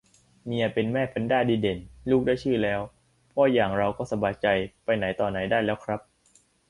เมียเป็นแม่แพนด้าดีเด่น ลูกได้ชื่อแล้ว พ่ออย่างเราก็สบายใจ ไปไหนต่อไหนได้แล้วครับ